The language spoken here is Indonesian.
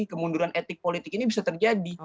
kemunduran etik politik ini bisa terjadi